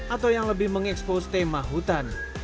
atau yang lebih mengekspos tema hutan